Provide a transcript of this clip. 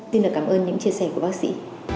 xin cảm ơn những chia sẻ của bác sĩ